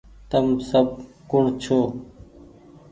تم سب ڪوٚڻ ڇو